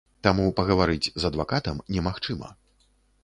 Таму пагаварыць з адвакатам немагчыма.